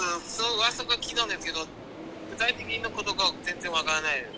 うわさは聞いたんですけど、具体的なことが全然分からないです。